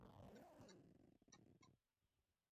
هڅه مه بندوه.